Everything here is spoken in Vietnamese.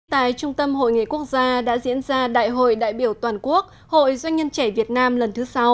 tại trung tâm hội nghề quốc gia đã diễn ra đại hội đại biểu toàn quốc hội doanh nhân trẻ việt nam lần thứ sáu